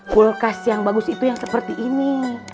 kulkas yang bagus itu yang seperti ini